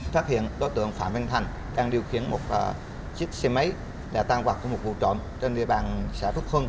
phát hiện đối tượng phạm văn thành đang điều khiển một chiếc xe máy đã tan hoặc một vụ trộm trên địa bàn xã phước hưng